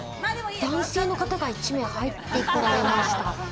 男性の方が１名、入ってこられました。